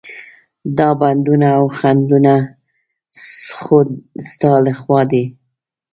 دا بندونه او خنډونه خو ستا له خوا دي.